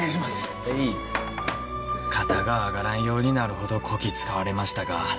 ・はい「肩が上がらんようになるほどこき使われましたが」